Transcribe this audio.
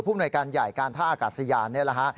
มนวยการใหญ่การท่าอากาศยานนี่แหละฮะ